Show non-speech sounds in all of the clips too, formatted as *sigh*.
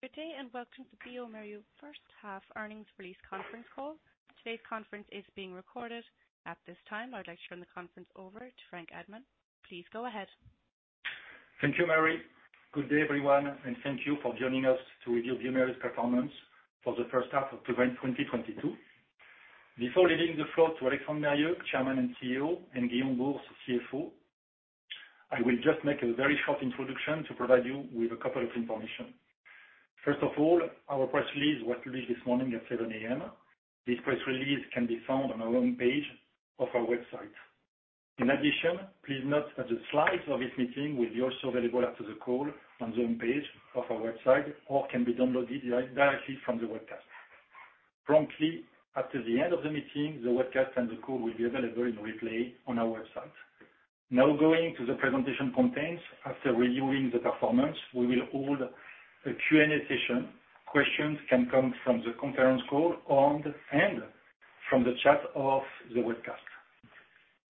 Good day and welcome to bioMérieux first half earnings release conference call. Today's conference is being recorded. At this time, I'd like to turn the conference over to Franck Admant. Please go ahead. Thank you, Mary. Good day, everyone, and thank you for joining us to review bioMérieux performance for the first half of 2022. Before leaving the floor to Alexandre Mérieux, Chairman and CEO, and Guillaume Bouhours, CFO, I will just make a very short introduction to provide you with a couple of information. First of all, our press release was released this morning at 7:00 A.M. This press release can be found on our homepage of our website. In addition, please note that the slides of this meeting will be also available after the call on the homepage of our website, or can be downloaded directly from the webcast. Promptly after the end of the meeting, the webcast and the call will be available in replay on our website. Now going to the presentation contents. After reviewing the performance, we will hold a Q&A session. Questions can come from the conference call and from the chat of the webcast.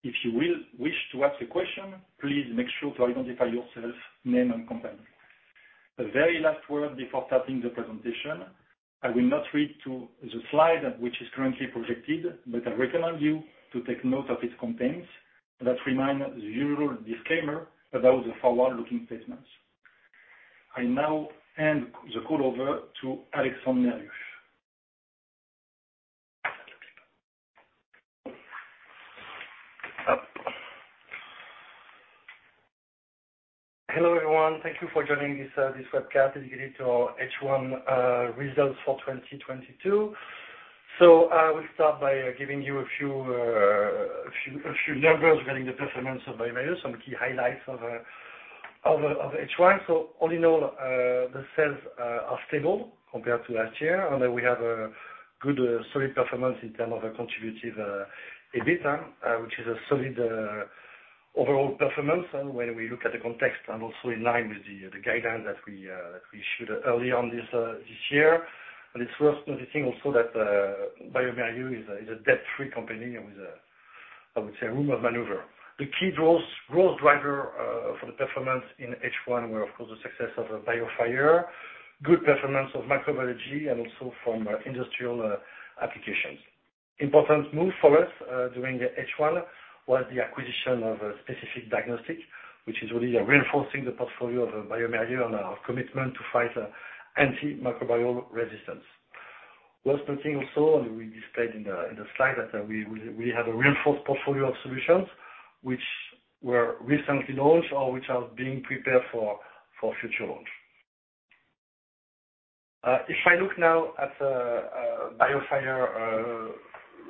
If you will wish to ask a question, please make sure to identify yourself, name and company. A very last word before starting the presentation, I will not read to the slide which is currently projected, but I recommend you to take note of its contents that remind the usual disclaimer about the forward-looking statements. I now hand the call over to Alexandre Mérieux. Hello, everyone. Thank you for joining this webcast related to H1 results for 2022. We'll start by giving you a few numbers regarding the performance of bioMérieux. Some key highlights of H1. All in all, the sales are stable compared to last year. We have a good solid performance in terms of a contributive EBITDA, which is a solid overall performance when we look at the context, and also in line with the guidelines that we issued early on this year. It's worth noting also that bioMérieux is a debt-free company with, I would say, room of maneuver. The key growth driver for the performance in H1 were, of course, the success of BioFire, good performance of microbiology and also from industrial applications. Important move for us during H1 was the acquisition of Specific Diagnostics, which is really reinforcing the portfolio of bioMérieux and our commitment to fight antimicrobial resistance. Worth noting also, will be displayed in the slide, that we have a reinforced portfolio of solutions which were recently launched or which are being prepared for future launch. If I look now at BioFire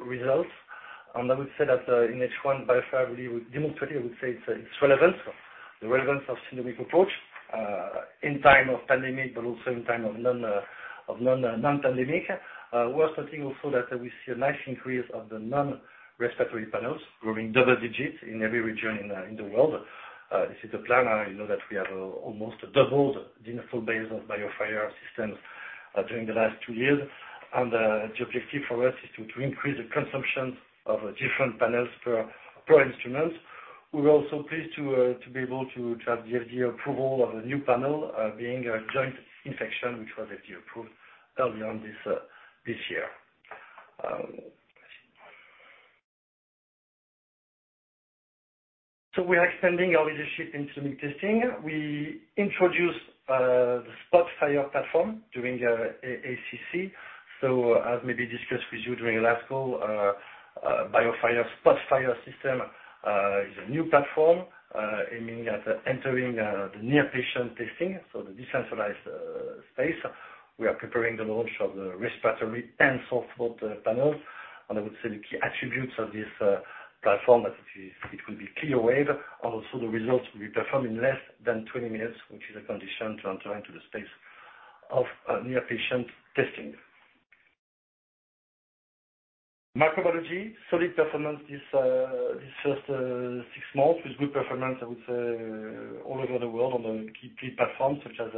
results, and I would say that in H1, BioFire really would demonstrate, I would say its relevance, the relevance of genomic approach in time of pandemic, but also in time of non-pandemic. Worth noting also that we see a nice increase of the non-respiratory panels growing double digits in every region in the world. This is the plan. I know that we have almost doubled the installed base of BioFire systems during the last two years. The objective for us is to increase the consumption of different panels per instrument. We're also pleased to be able to have the FDA approval of a new panel being a Joint Infection which was FDA approved early on this year. We are extending our leadership in genomic testing. We introduced the SPOTFIRE platform during ACC. As may be discussed with you during the last call, BioFire's SPOTFIRE system is a new platform aiming at entering the near patient testing, the decentralized space. We are preparing the launch of the respiratory and SPOTFIRE panels. I would say the key attributes of this platform that it will be CLIA-waived, and also the results will be performed in less than 20 minutes, which is a condition to enter into the space of near patient testing. Microbiology, solid performance this first six months. With good performance, I would say, all over the world on the key platforms such as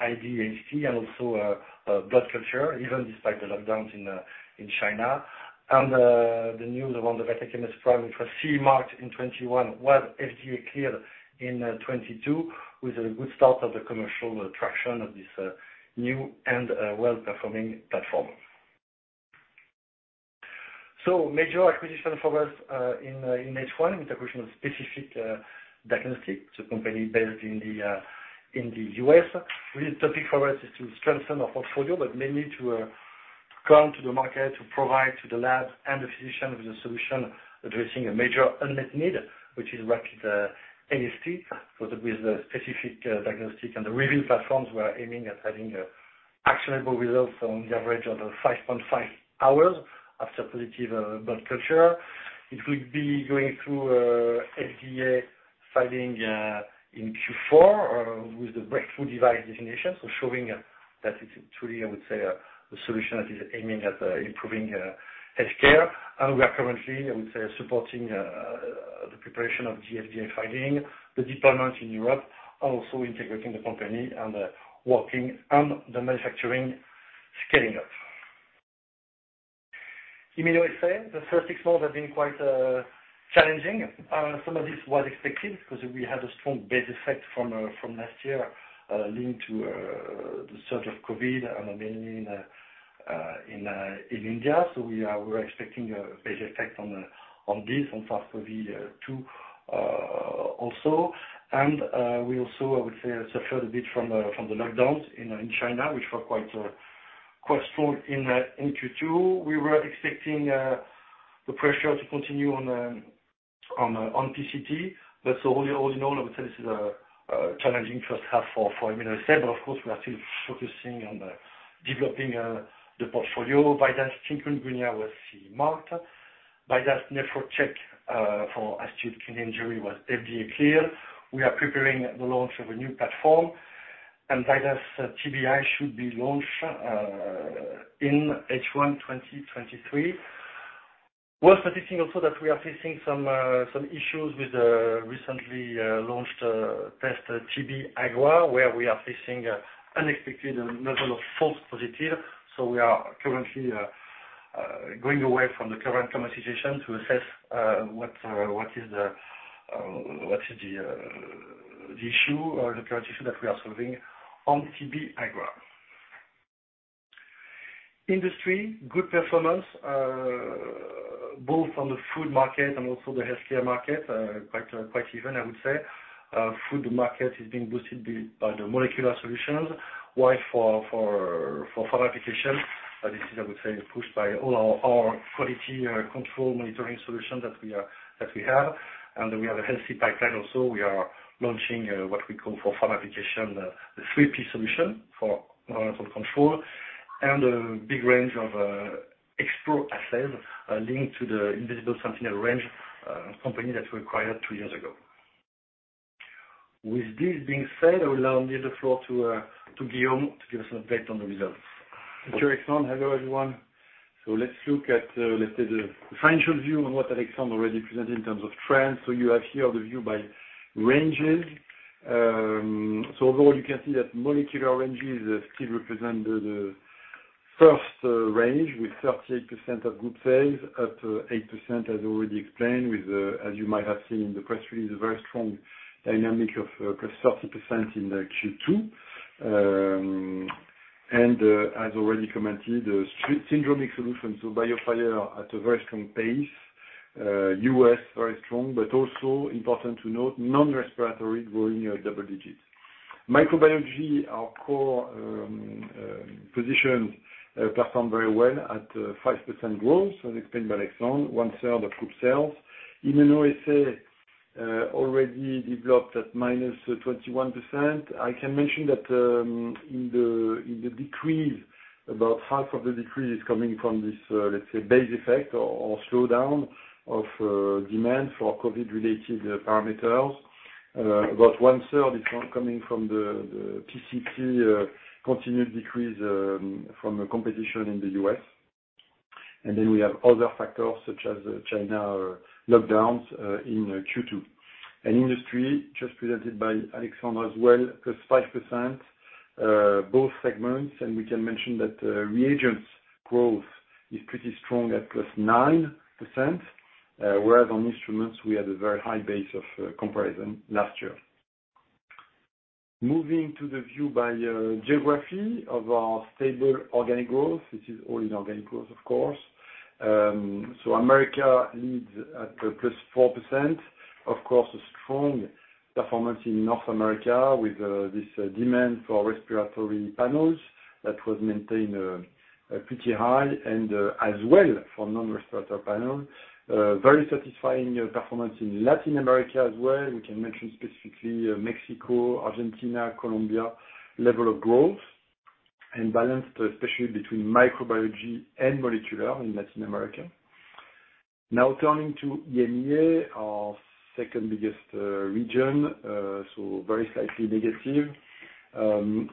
ID/AST and also blood culture, even despite the lockdowns in China. The new VITEK MS PRIME, which was CE marked in 2021, was FDA cleared in 2022, with a good start of the commercial traction of this new and well-performing platform. Major acquisition for us in H1 with acquisition of Specific Diagnostics. It's a company based in the U.S. Really the topic for us is to strengthen our portfolio, but mainly to come to the market to provide to the labs and the physician with a solution addressing a major unmet need, which is rapid AST. With the Specific Diagnostics and the SPECIFIC REVEAL platforms, we are aiming at having actionable results on the average of 5.5 hours after positive blood culture. It will be going through FDA filing in Q4 with the Breakthrough Device designation. Showing that it's truly, I would say, a solution that is aiming at improving healthcare. We are currently, I would say, supporting the preparation of the FDA filing, the department in Europe, and also integrating the company and working on the manufacturing scaling up. Immunoassay, the first six months have been quite challenging. Some of this was expected because we had a strong base effect from last year, linked to the surge of COVID and mainly in India. We're expecting a base effect on this, on SARS-CoV-2, also. We also, I would say, suffered a bit from the lockdowns in China, which were quite strong in Q2. We were expecting the pressure to continue on PCT. All in all, I would say this is a challenging first half for immunoassay. Of course, we are still focusing on developing the portfolio. VIDAS CHIKUNGUNYA was CE-marked. VIDAS NEPHROCHECK for acute kidney injury was FDA cleared. We are preparing the launch of a new platform, and VIDAS TBI should be launched in H1 2023. We're predicting also that we are facing some issues with the recently launched test, VIDAS TB-IGRA, where we are facing an unexpected level of false positive. We are currently going away from the current commercialization to assess what is the issue or the current issue that we are solving on VIDAS TB-IGRA. The industry good performance both on the food market and the healthcare market quite even, I would say. Food market is being boosted by the molecular solutions like for pharma applications. This is, I would say, pushed by all our quality control monitoring solution that we have. We have a healthy pipeline also. We are launching what we call for pharma application, the 3P solution for viral control and a big range of Xplore assays linked to the Invisible Sentinel range, company that we acquired two years ago. With this being said, I will hand the floor to Guillaume to give us an update on the results. Thank you, Alexandre. Hello, everyone. Let's look at, let's say, the financial view on what Alexandre already presented in terms of trends. You have here the view by ranges. Overall you can see that molecular ranges still represent the first range with 38% of group sales. Up 8% as already explained with, as you might have seen in the press release, a very strong dynamic of +30% in the Q2. As already commented, syndromic solutions to BioFire are at a very strong pace. U.S. very strong, but also important to note, non-respiratory growing at double digits. Microbiology, our core position, performed very well at 5% growth, as explained by Alexandre, one third of group sales. Immunoassay already declined at -21%. I can mention that in the decrease, about half of the decrease is coming from this, let's say, base effect or slowdown of demand for COVID related parameters. About one third is coming from the PCT continued decrease from competition in the U.S. We have other factors such as China lockdowns in Q2. Industrial just presented by Alexandre as well, +5% both segments. We can mention that reagents growth is pretty strong at +9%. Whereas on instruments we had a very high base of comparison last year. Moving to the view by geography of our stable organic growth. This is all in organic growth, of course. America leads at +4%. Of course, a strong performance in North America with this demand for respiratory panels that was maintained pretty high and as well for non-respiratory panel. Very satisfying performance in Latin America as well. We can mention specifically Mexico, Argentina, Colombia level of growth and balanced especially between microbiology and molecular in Latin America. Now turning to EMEA, our second biggest region. Very slightly negative.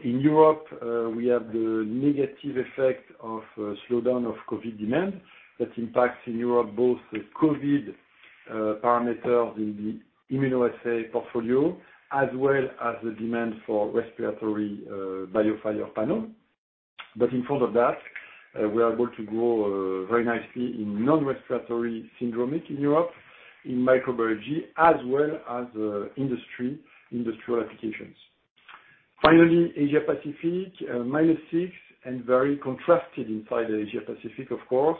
In Europe, we have the negative effect of slowdown of COVID demand. That impacts in Europe both the COVID parameters in the immunoassay portfolio, as well as the demand for respiratory BioFire panel. But in front of that, we are able to grow very nicely in non-respiratory syndromic in Europe, in microbiology as well as industry industrial applications. Finally, Asia Pacific, minus 6% and very contrasted inside Asia Pacific, of course.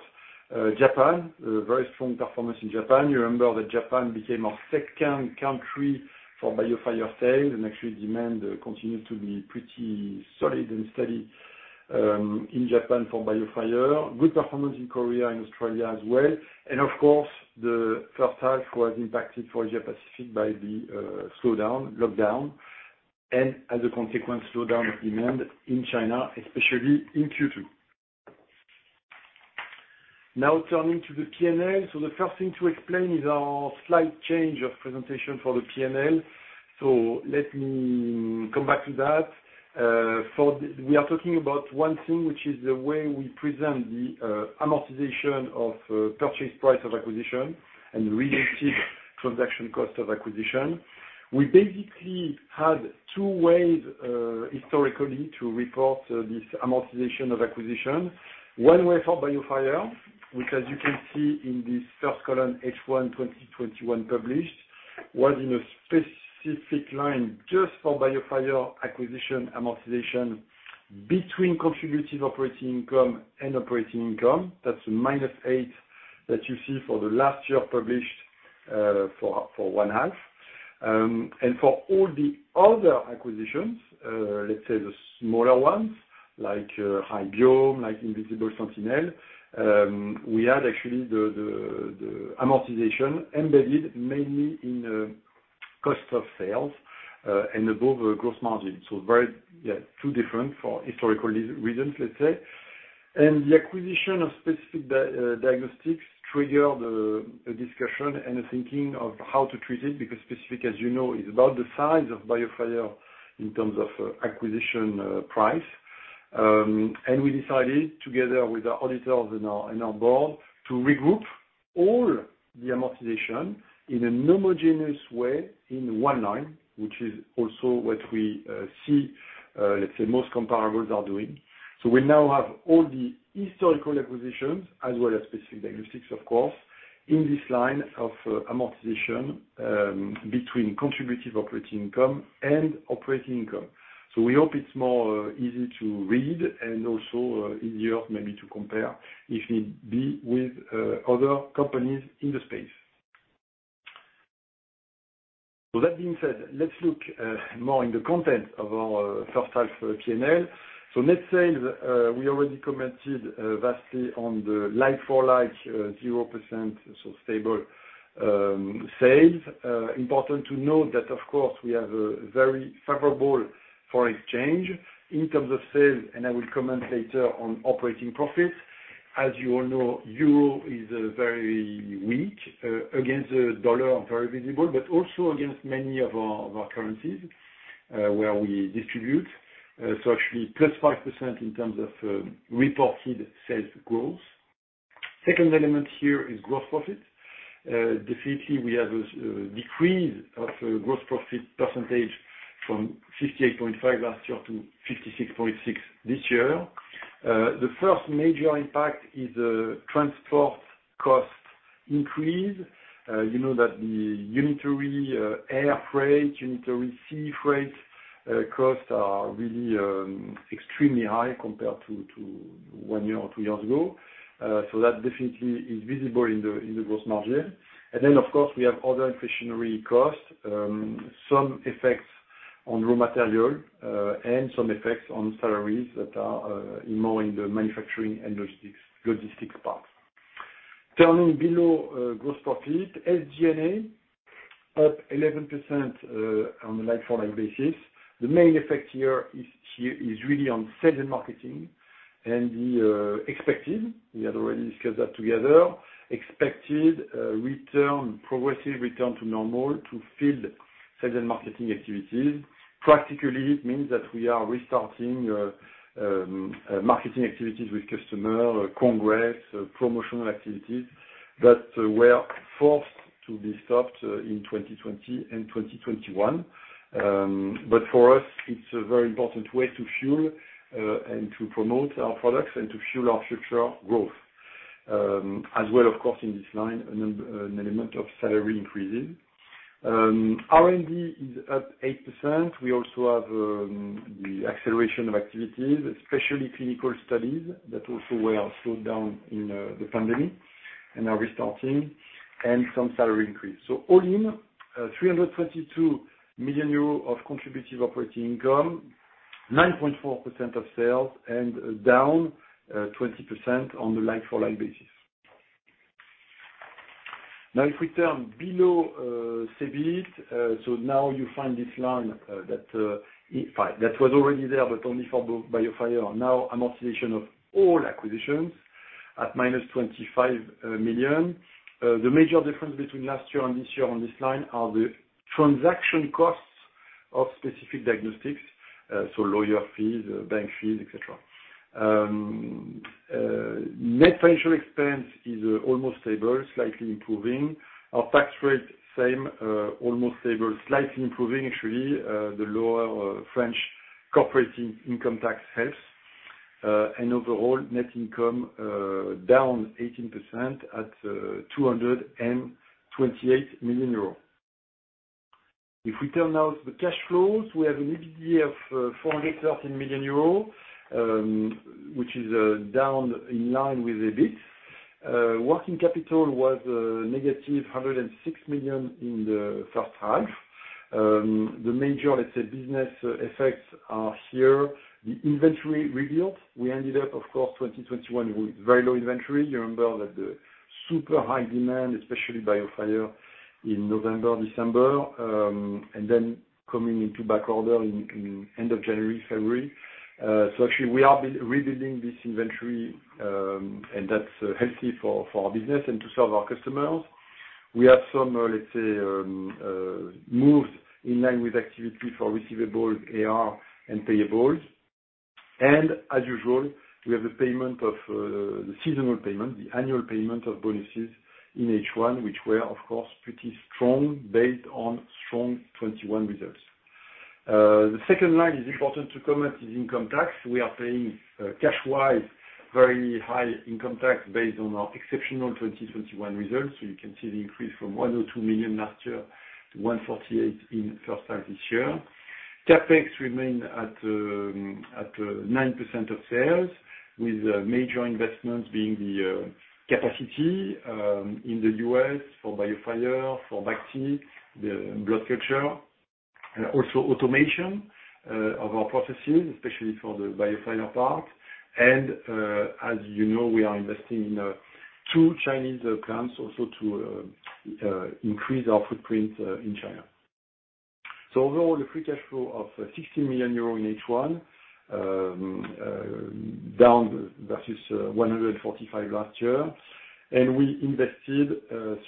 Japan, very strong performance in Japan. You remember that Japan became our second country for BioFire sales and actually demand continued to be pretty solid and steady in Japan for BioFire. Good performance in Korea and Australia as well. Of course, the first half was impacted for Asia Pacific by the slowdown, lockdown. As a consequence, slowdown of demand in China, especially in Q2. Now turning to the P&L. The first thing to explain is our slight change of presentation for the P&L. Let me come back to that. We are talking about one thing, which is the way we present the amortization of purchase price of acquisition and related transaction cost of acquisition. We basically had two ways historically to report this amortization of acquisition. One way for BioFire, which as you can see in this first column, H1 2021 published. Was in a specific line just for BioFire acquisition amortization between contributive operating income and operating income. That's -8 that you see for the last year published for H1. And for all the other acquisitions, let's say the smaller ones, like Hybiome, like Invisible Sentinel, we had actually the amortization embedded mainly in the cost of sales and above the gross margin. So very, yeah, two different for historical reasons, let's say. The acquisition of Specific Diagnostics triggered a discussion and a thinking of how to treat it because Specific, as you know, is about the size of BioFire in terms of acquisition price. We decided together with our auditors and our board to regroup all the amortization in a homogeneous way in one line, which is also what we see, let's say, most comparables are doing. We now have all the historical acquisitions as well as Specific Diagnostics, of course, in this line of amortization between contributive operating income and operating income. We hope it's more easy to read and also easier maybe to compare if need be with other companies in the space. That being said, let's look more in the content of our first half P&L. Net sales, we already commented vastly on the like-for-like 0%, so stable sales. Important to note that, of course, we have a very favorable foreign exchange in terms of sales, and I will comment later on operating profits. As you all know, euro is very weak against the dollar, and very visible, but also against many of our currencies where we distribute. So actually plus 5% in terms of reported sales growth. Second element here is gross profit. Definitely we have a decrease of gross profit percentage from 58.5 last year to 56.6 this year. The first major impact is a transport cost increase. You know that the unitary air freight, unitary sea freight costs are really extremely high compared to one year or two years ago. So that definitely is visible in the gross margin. Of course, we have other inflationary costs, some effects on raw material, and some effects on salaries that are more in the manufacturing and logistics part. Turning below gross profit, SG&A up 11% on a like-for-like basis. The main effect here is really on sales and marketing and the expected, we had already discussed that together, expected return, progressive return to normal field sales and marketing activities. Practically, it means that we are restarting marketing activities with customer congress promotional activities that were forced to be stopped in 2020 and 2021. For us, it's a very important way to fuel and to promote our products and to fuel our future growth. As well, of course, in this line, an element of salary increases. R&D is up 8%. We also have the acceleration of activities, especially clinical studies that also were slowed down in the pandemic and are restarting, and some salary increase. All in, 322 million euros of contributive operating income, 9.4% of sales and down 20% on the like-for-like basis. Now, if we turn below, the second line is important to comment is income tax. We are paying, cash-wise, very high income tax based on our exceptional 2021 results. You can see the increase from 102 million last year to 148 million in first half this year. CapEx remain at 9% of sales, with major investments being the capacity in the U.S. for BioFire, for VIRTUO, the blood culture, also automation of our processes, especially for the BioFire part. As you know, we are investing in two Chinese plants also to increase our footprint in China. Overall, the free cash flow of 60 million euro in H1, down versus 145 million last year. We invested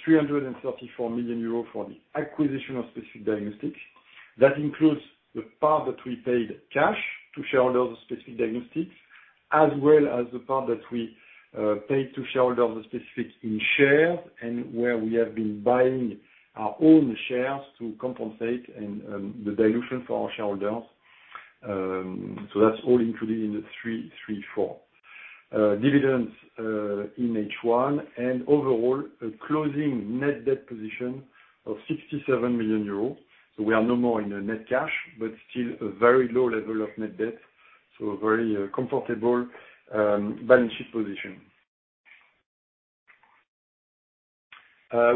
334 million euro for the acquisition of Specific Diagnostics. That includes the part that we paid cash to shareholders of Specific Diagnostics, as well as the part that we paid to shareholders of Specific in shares, and where we have been buying our own shares to compensate and the dilution for our shareholders. That's all included in the 334. Dividends in H1, and overall, a closing net debt position of 67 million euros. We are no more in a net cash, but still a very low level of net debt, so very comfortable balance sheet position.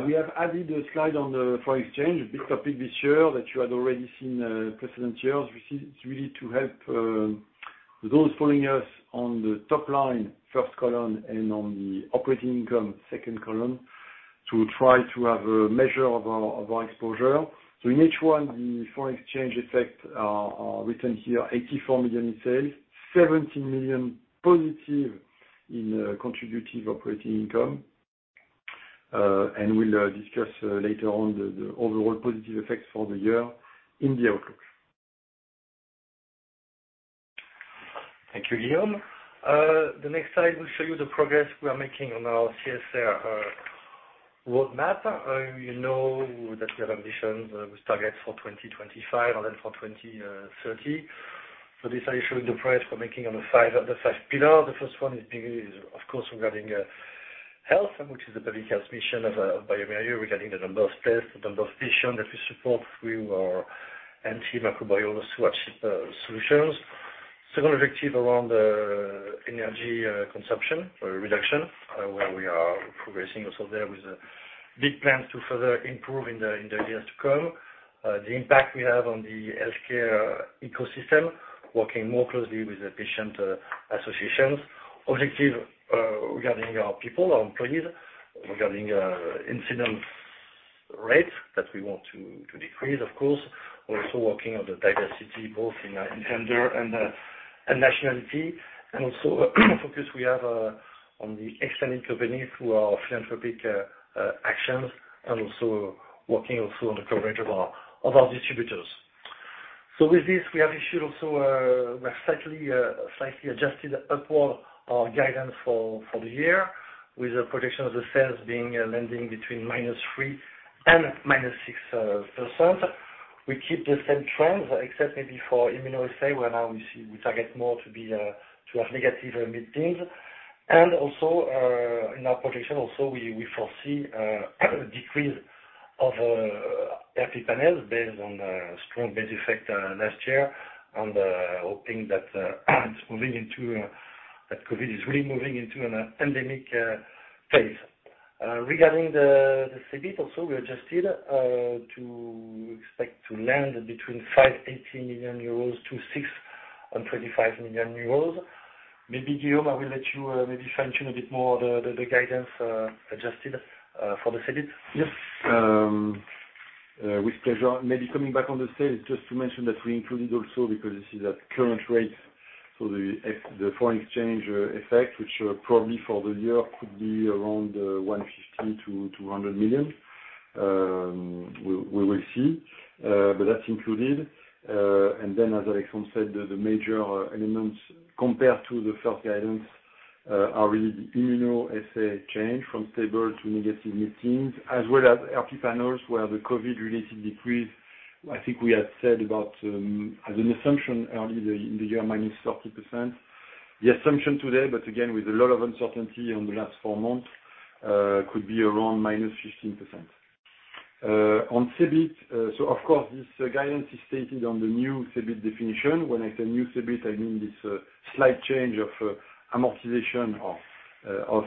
We have added a slide on the foreign exchange, a big topic this year that you had already seen previous years. This is really to help those following us on the top line, first column, and on the operating income, second column, to try to have a measure of our exposure. In H1, the foreign exchange effect are written here, 84 million in sales, 17 million positive in contributive operating income. We'll discuss later on the overall positive effects for the year in the outlook. Thank you, Guillaume. The next slide will show you the progress we are making on our CSR roadmap. You know that we have ambitions with targets for 2025 and then for 2030. This slide showing the progress we're making on the five pillars. The first one is, of course, regarding health, which is the public health mission of bioMérieux regarding the number of tests, the number of patients that we support through our antimicrobial solutions. Second objective around energy consumption or reduction, where we are progressing also there with big plans to further improve in the years to come. The impact we have on the healthcare ecosystem, working more closely with the patient associations. Objective regarding our people, our employees, incident rate that we want to decrease, of course. We're also working on the diversity, both in gender and nationality. Also a focus we have on the external community through our philanthropic actions and also working on the coverage of our distributors. With this, we have also slightly adjusted upward our guidance for the year, with the projection of the sales being landing between -3% and -6%. We keep the same trends, except maybe for immunoassay, where now we target more to have negative mid-teens. Also, in our projection also, we foresee a decrease of RP panels based on strong base effect last year, and hoping that it's moving into that COVID is really moving into an endemic phase. Regarding the EBIT also, we adjusted to expect to land between 580 million-625 million euros. Maybe Guillaume, I will let you maybe fine-tune a bit more the guidance adjusted for the EBIT. Yes, with pleasure. Maybe coming back on the sales, just to mention that we included also because you see that current rates, so the foreign exchange effect, which probably for the year could be around 150 million-200 million. We will see, but that's included. Then as Alexandre said, the major elements compared to the first guidance are really the immunoassay change from stable to negative mid-teens, as well as RP panels, where the COVID-related decrease, I think we had said about as an assumption early in the year, -30%. The assumption today, but again, with a lot of uncertainty on the last four months, could be around -15%. On EBIT, so of course, this guidance is stated on the new EBIT definition. When I say new EBIT, I mean this slight change of amortization of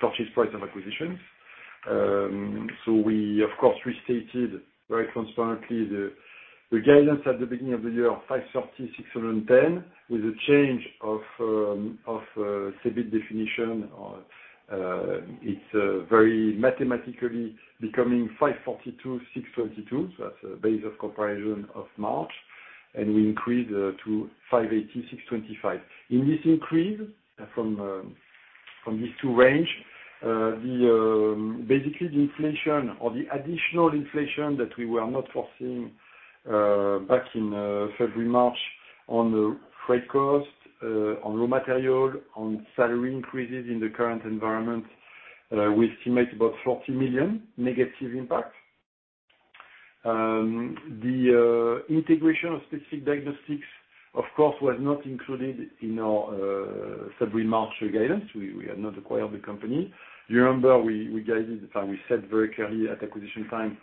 purchase price and acquisitions. So we, of course, restated very transparently the guidance at the beginning of the year of 530-610. With a change of EBIT definition, it's very mathematically becoming 542-622. So that's a base of comparison of March, and we increased to 580-625. In this increase from these two range, the basically the inflation or the additional inflation that we were not foreseeing back in February, March on the freight cost, on raw material, on salary increases in the current environment. We estimate about 40 million negative impact. The integration of Specific Diagnostics, of course, was not included in our organic margin guidance. We have now acquired the company. You remember we guided, and we said very clearly at acquisition time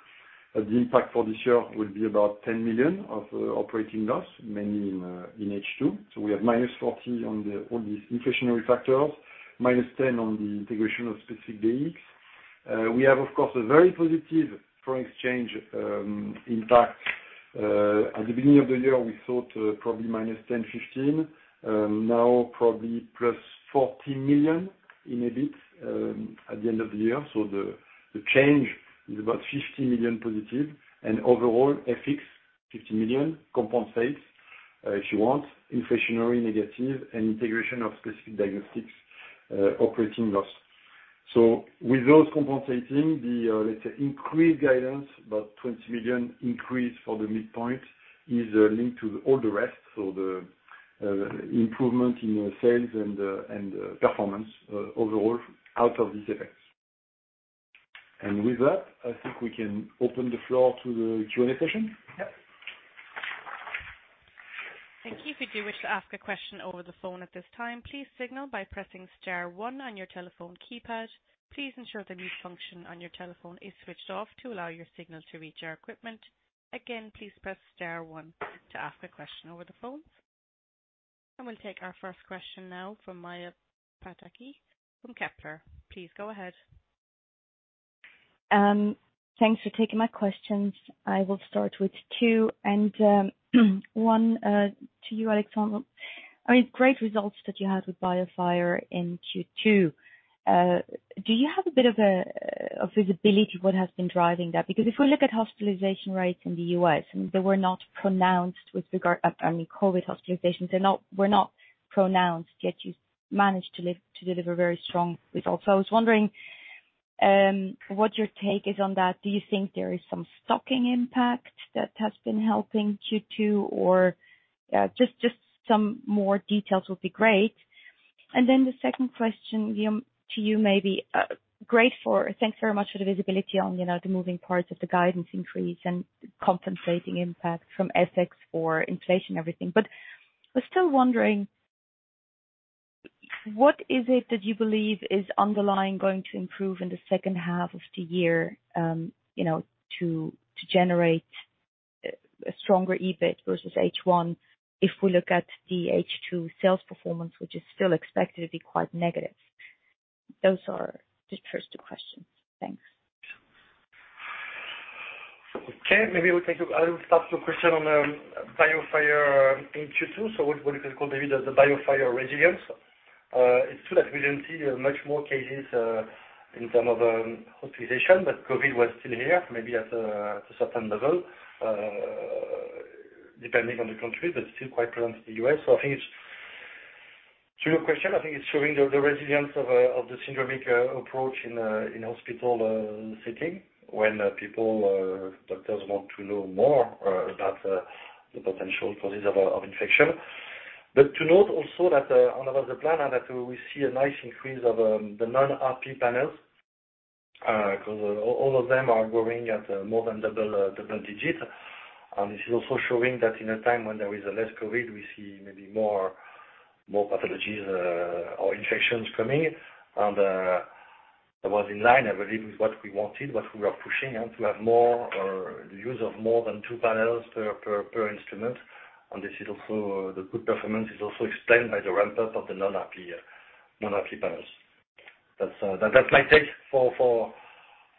that the impact for this year will be about 10 million of operating loss, mainly in H2. We have -40 million on these inflationary factors, -10 million on the integration of Specific Diagnostics. We have, of course, a very positive foreign exchange impact. At the beginning of the year, we thought probably -10 million-15 million, now probably +40 million in EBIT, at the end of the year. The change is about 50 million positive and overall FX 50 million compensates, if you want inflationary negative and integration of Specific Diagnostics operating loss. With those compensating the, let's say, increased guidance, about 20 million increase for the midpoint is linked to all the rest. The improvement in sales and performance overall out of these effects. With that, I think we can open the floor to the Q&A session. Yep. Thank you. If you do wish to ask a question over the phone at this time, please signal by pressing star one on your telephone keypad. Please ensure the mute function on your telephone is switched off to allow your signal to reach our equipment. Again, please press star one to ask a question over the phone. We'll take our first question now from Maja Pataki from Kepler. Please go ahead. Thanks for taking my questions. I will start with two and one to you, Alexandre. I mean, great results that you had with BioFire in Q2. Do you have a bit of visibility what has been driving that? Because if we look at hospitalization rates in the U.S., they were not pronounced. I mean, COVID hospitalizations were not pronounced, yet you managed to deliver very strong results. So I was wondering what your take is on that. Do you think there is some stocking impact that has been helping Q2 or just some more details would be great. Then the second question, Guillaume, to you maybe. Thanks very much for the visibility on, you know, the moving parts of the guidance increase and compensating impact from FX for inflation, everything. We're still wondering, what is it that you believe is underlying going to improve in the second half of the year, you know, to generate a stronger EBIT versus H1 if we look at the H2 sales performance, which is still expected to be quite negative? Those are the first two questions. Thanks. I'll start your question on BioFire in Q2. What you can call maybe the BioFire resilience. It's true that we didn't see much more cases in terms of hospitalization, but COVID was still here, maybe at a certain level, depending on the country, but still quite present in the US. I think it's to your question, I think it's showing the resilience of the syndromic approach in hospital setting, when doctors want to know more about the potential causes of infection. To note also that another panel that we see a nice increase of the non-RP panels because all of them are growing at more than double-digit. This is also showing that in a time when there is less COVID, we see maybe more pathologies or infections coming. That was in line, I believe, with what we wanted, what we were pushing, and to have more use of more than two panels per instrument. This is also the good performance is also explained by the ramp-up of the non-RP panels. That's my take for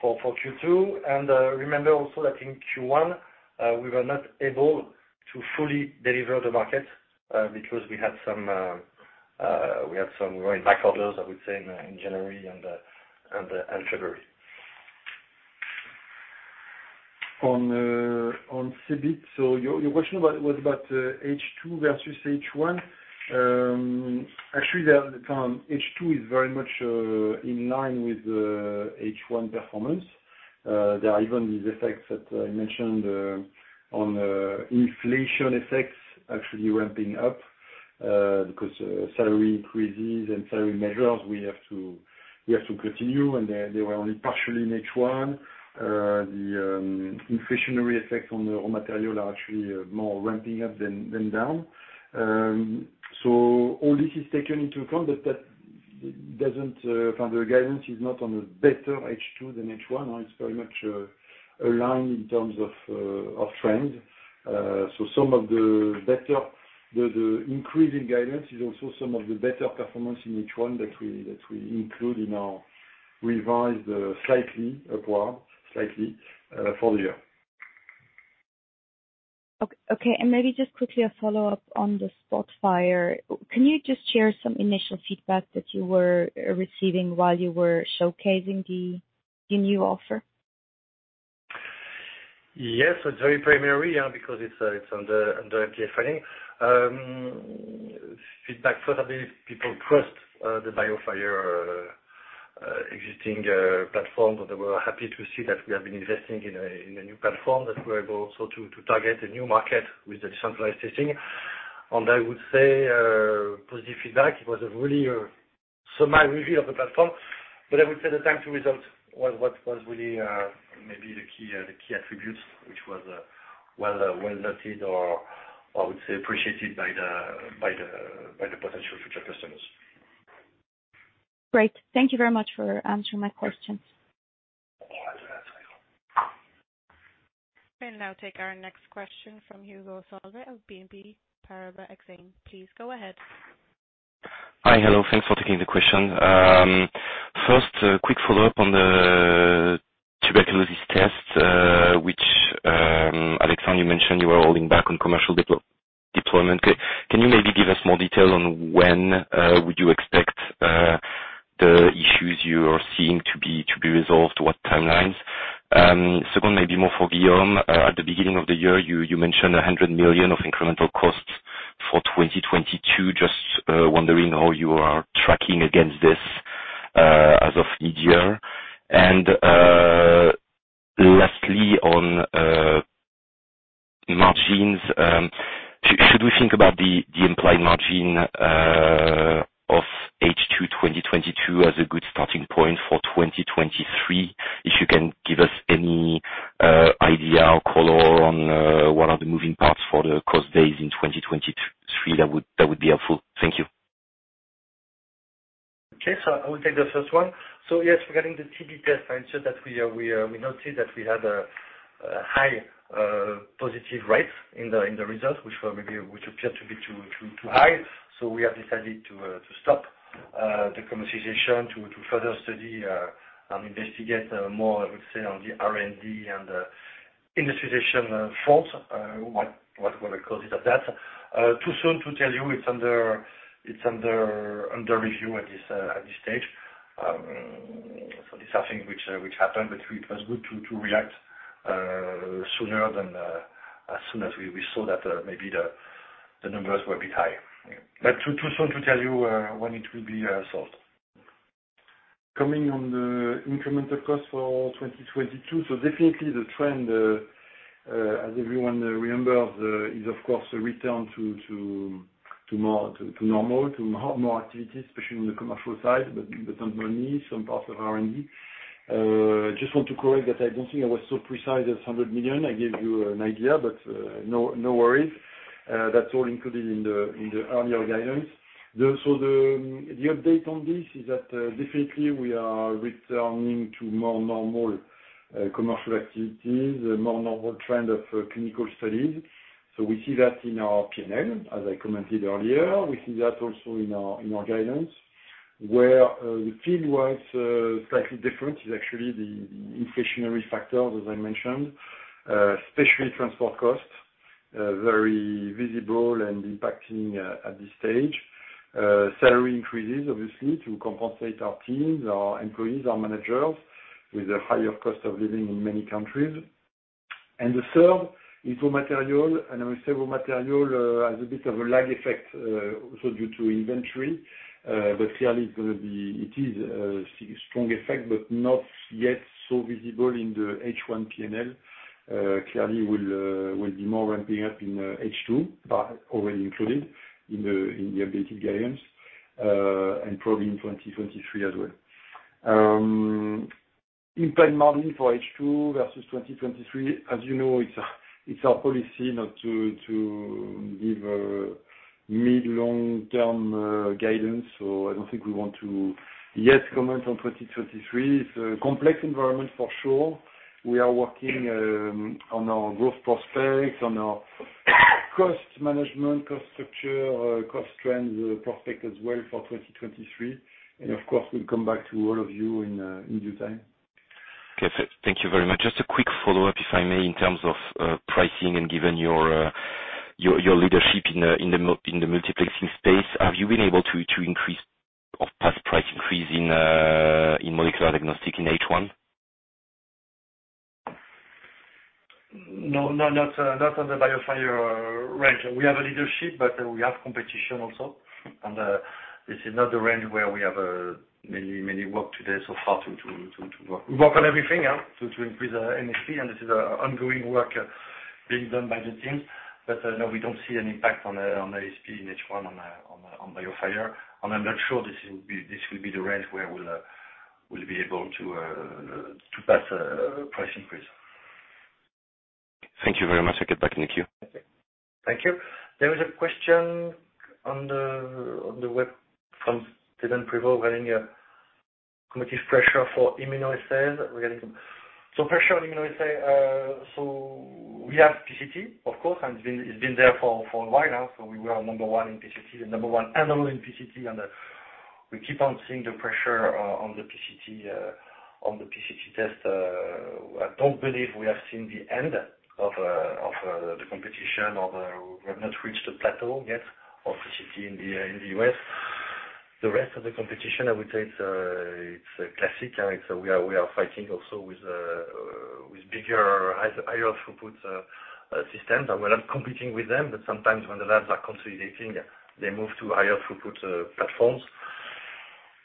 Q2. Remember also that in Q1 we were not able to fully deliver the market because we had some running back orders, I would say, in January and February. On cEBIT. So your question was about H2 versus H1. Actually, the H2 is very much in line with the H1 performance. There are even these effects that I mentioned on inflation effects actually ramping up because salary increases and salary measures we have to continue, and they were only partially in H1. The inflationary effects on the raw material are actually more ramping up than down. So all this is taken into account, but that doesn't affect the guidance. It's not a better H2 than H1. It's very much aligned in terms of trend. So the increase in guidance is also some of the better performance in H1 that we include in our revised slightly upward for the year. Okay, maybe just quickly a follow-up on the SPOTFIRE. Can you just share some initial feedback that you were receiving while you were showcasing the new offer? Yes. It's very primary because it's under FDA filing. Further feedback is people trust the BioFire existing platform. They were happy to see that we have been investing in a new platform that we are able also to target a new market with the decentralized testing. I would say positive feedback. It was really a semi review of the platform, but I would say the time to result was really maybe the key attributes, which was well noted or I would say appreciated by the potential future customers. Great. Thank you very much for answering my questions. We'll now take our next question from Hugo Solvet of BNP Paribas Exane. Please go ahead. Hi. Hello. Thanks for taking the question. First, a quick follow-up on the tuberculosis test, which Alexandre, you mentioned you were holding back on commercial deployment. Can you maybe give us more detail on when would you expect the issues you are seeing to be resolved? What timelines? Second, maybe more for Guillaume. At the beginning of the year, you mentioned 100 million of incremental costs for 2022. Just wondering how you are tracking against this as of midyear. Lastly, on margins, should we think about the implied margin of H2 2022 as a good starting point for 2023? If you can give us any idea or color on what are the moving parts for the cost base in 2023, that would be helpful. Thank you. Okay. I will take the first one. Yes, regarding the TB test, I assure that we noted that we had a high positive rate in the results, which appeared to be too high. We have decided to stop the commercialization to further study and investigate more, I would say, on the R&D and industrialization fault, what we call it like that. Too soon to tell you. It's under review at this stage. This is something which happened, but it was good to react sooner, as soon as we saw that maybe the numbers were a bit high. Too soon to tell you when it will be solved. Commenting on the incremental cost for 2022. Definitely the trend, as everyone remembers, is of course a return to more normal activities, especially on the commercial side, but not only, some parts of R&D. Just want to correct that I don't think I was so precise as 100 million. I gave you an idea, but no worries. That's all included in the annual guidance. The update on this is that, definitely we are returning to more normal commercial activities, more normal trend of clinical studies. We see that in our P&L, as I commented earlier. We see that also in our guidance. Where the field was slightly different is actually the inflationary factors, as I mentioned, especially transport costs, very visible and impacting at this stage. Salary increases obviously to compensate our teams, our employees, our managers with a higher cost of living in many countries. The third is raw material, and with raw material, has a bit of a lag effect, also due to inventory. Clearly it is a strong effect, but not yet so visible in the H1 P&L. Clearly it will be more ramping up in H2, but already included in the updated guidance, and probably in 2023 as well. Implied margin for H2 versus 2023, as you know, it's our policy not to give a mid- to long-term guidance. I don't think we want to yet comment on 2023. It's a complex environment for sure. We are working on our growth prospects, on our cost management, cost structure, cost trends prospect as well for 2023. Of course, we'll come back to all of you in due time. Okay. Thank you very much. Just a quick follow-up, if I may, in terms of pricing and given your leadership in the multiplexing space. Have you been able to increase or pass price increase in molecular diagnostic in H1? No, not on the BioFire range. We have a leadership, but we have competition also. This is not the range where we have many work to do so far to work. We work on everything to increase the ASP, and this is an ongoing work being done by the teams. No, we don't see an impact on ASP in H1 on BioFire. I'm not sure this will be the range where we'll be able to pass price increase. Thank you very much. I get back in the queue. Okay. Thank you. There is a question on the web from Steven Prévost regarding competitive pressure for immunoassays. Pressure on immunoassay, so we have PCT, of course, and it's been there for a while now. We are number one in PCT and number one analog in PCT, and we keep on seeing the pressure on the PCT test. I don't believe we have seen the end of the competition. We have not reached the plateau yet of PCT in the U.S. The rest of the competition, I would say it's classic. We are fighting also with bigger, higher throughput systems. We're not competing with them, but sometimes when the labs are consolidating, they move to higher throughput platforms.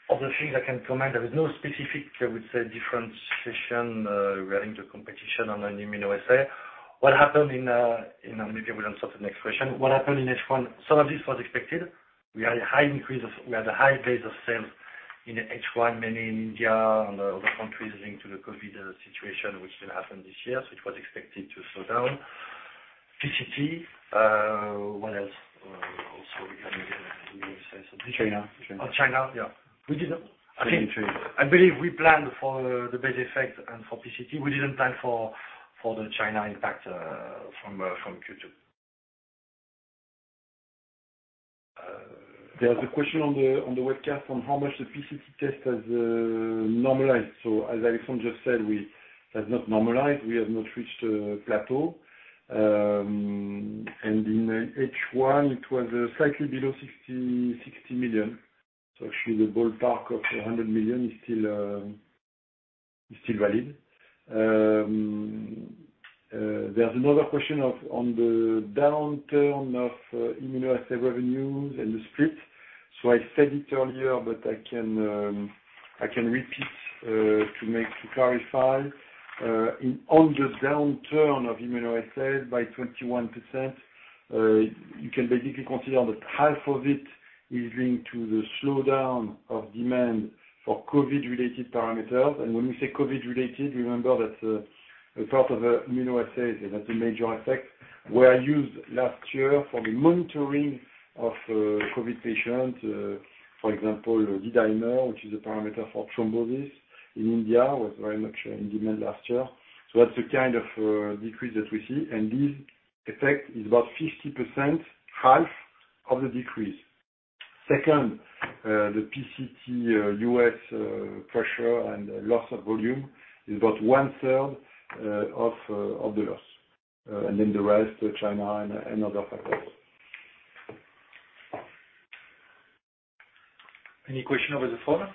One of the things I can comment, there is no specific, I would say differentiation relating to competition on an immunoassay. Maybe we'll answer the next question. What happened in H1, some of this was expected. We had a high base of sales in H1, mainly in India and the other countries linked to the COVID situation which will happen this year. So it was expected to slow down. PCT, what else? Also we had China. Oh, China. Yeah. I believe we planned for the base effect and for PCT. We didn't plan for the China impact from Q2. There's a question on the webcast on how much the PCT test has normalized. As Alexandre just said, has not normalized. We have not reached plateau. In H1 it was slightly below 60 million. Actually the ballpark of 100 million is still valid. There's another question on the downturn of immunoassay revenues and the split. I said it earlier, but I can repeat to clarify. On the downturn of immunoassay by 21%, you can basically consider that half of it is linked to the slowdown of demand for COVID related parameters. When we say COVID related, remember that a part of the immunoassay, and that's a major effect, were used last year for the monitoring of COVID patients. For example, D-dimer, which is a parameter for thrombosis in India, was very much in demand last year. That's the kind of decrease that we see. This effect is about 50%, half of the decrease. Second, the PCT U.S. pressure and loss of volume is about one-third of the loss, and then the rest China and other factors. Any question over the phone?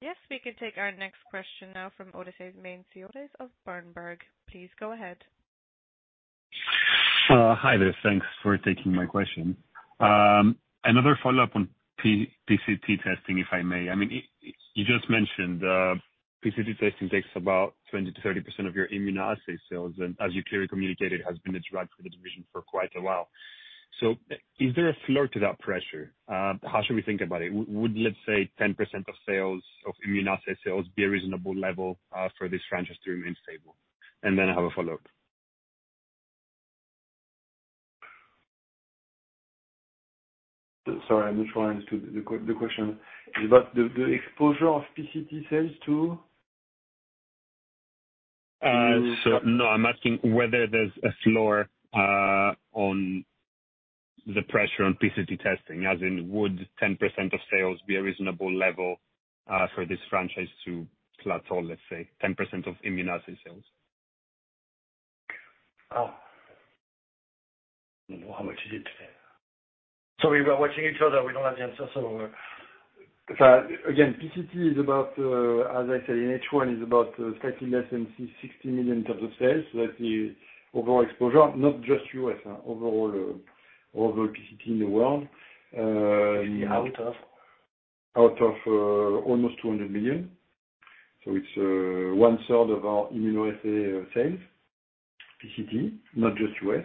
Yes, we can take our next question now from Odysseas Manesiotis of Berenberg. Please go ahead. Hi there. Thanks for taking my question. Another follow-up on PCT testing, if I may. I mean, you just mentioned PCT testing takes about 20%-30% of your immunoassay sales, and as you clearly communicated, has been a drag for the division for quite a while. Is there a floor to that pressure? How should we think about it? Would, let's say, 10% of sales of immunoassay sales be a reasonable level for this franchise to remain stable? Then I have a follow-up. Sorry, I'm just trying to the question. Is that the exposure of PCT sales to? No. I'm asking whether there's a floor on the pressure on PCT testing, as in would 10% of sales be a reasonable level for this franchise to plateau, let's say. 10% of immunoassay sales. Oh. I don't know how much is it today? We were watching each other. We don't have the answer. Again, PCT is about, as I said in H1, is about slightly less than 60 million in terms of sales. That's the overall exposure. Not just U.S., overall PCT in the world. Out of? Out of almost 200 million. It's 1/3 of our immunoassay sales. PCT, not just U.S.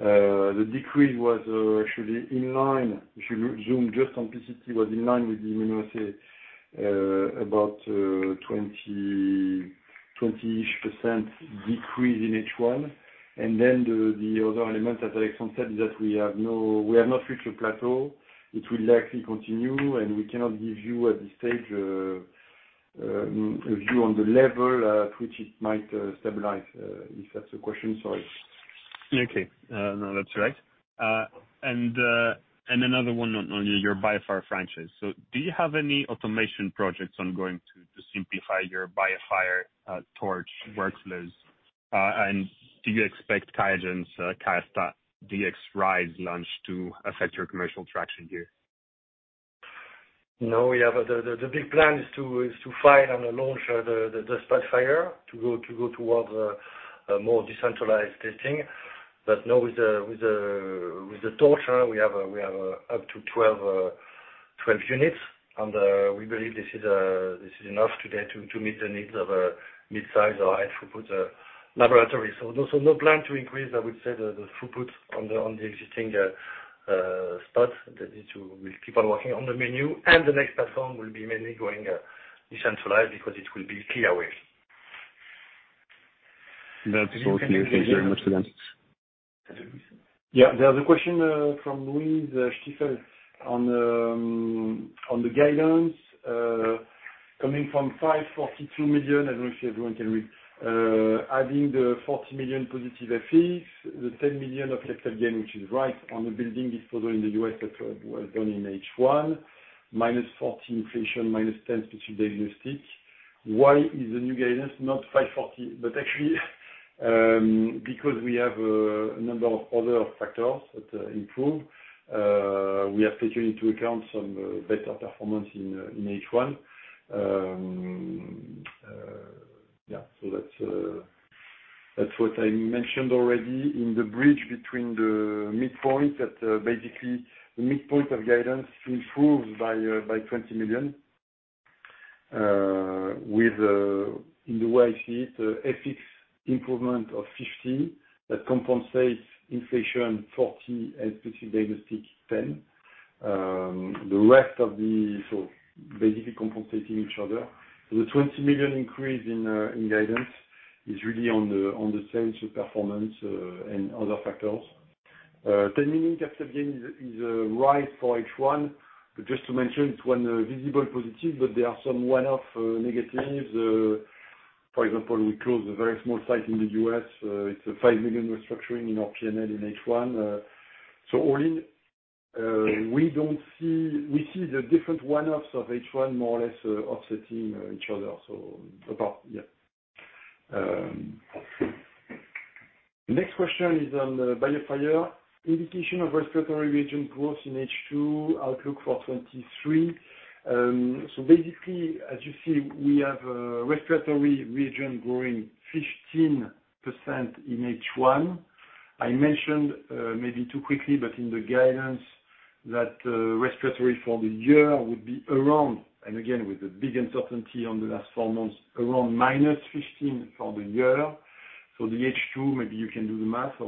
The decrease was actually in line. If you zoom just on PCT, was in line with the immunoassay, about 20-ish% decrease in H1. Then the other element, as Alexandre said, is that we have not reached a plateau. It will likely continue, and we cannot give you at this stage a view on the level at which it might stabilize, if that's the question. Sorry. Okay. No, that's right. Another one on your BioFire franchise. Do you have any automation projects ongoing to simplify your BioFire TORCH workflows? Do you expect QIAGEN's QIAstat-Dx Rise launch to affect your commercial traction here? No, the big plan is to file and launch the SPOTFIRE to go towards a more decentralized testing. No, with the TORCH, we have up to 12 units. We believe this is enough today to meet the needs of a midsize or high-throughput laboratory. No plan to increase, I would say, the throughput on the existing SPOTFIRE. We'll keep on working on the menu, and the next platform will be mainly going decentralized because it will be CLIA-waived. That's all clear. Thank you very much again. There's a question from Louise Schifel on the guidance coming from 542 million. I don't know if everyone can read. Adding the 40 million positive effects, the 10 million of capital gain, which is right on the building, the sale in the U.S. that was done in H1, minus 40 inflation, minus 10 Specific Diagnostics. Why is the new guidance not 540? Actually, because we have a number of other factors that improve, we are taking into account some better performance in H1. Yeah. So that's what I mentioned already in the bridge between the midpoint that basically the midpoint of guidance improved by 20 million, with in the way I see it, FX improvement of 50 that compensates inflation 40 and Specific Diagnostics 10. Basically compensating each other. The 20 million increase in guidance is really on the sales performance and other factors. 10 million capital gain is right for H1. Just to mention it's one visible positive, but there are some one-off negatives. For example, we closed a very small site in the U.S. It's a 5 million restructuring in our P&L in H1. All in, we see the different one-offs of H1 more or less offsetting each other. About, yeah. Next question is on BioFire. Indication of respiratory region growth in H2 outlook for 2023. Basically, as you see, we have a respiratory region growing 15% in H1. I mentioned maybe too quickly, but in the guidance that respiratory for the year would be around, and again, with the big uncertainty on the last four months, around -15% for the year. The H2, maybe you can do the math